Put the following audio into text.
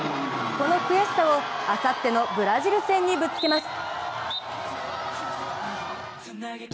この悔しさをあさってのブラジル戦にぶつけます。